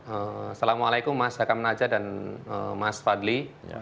assalamu'alaikum mas hakam najah dan mas fadli